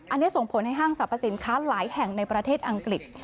อันนี้ส่งผลให้ห้างสรรพสินค้าหลายแห่งในประเทศอังกฤษ